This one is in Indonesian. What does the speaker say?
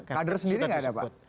kader sendiri nggak ada pak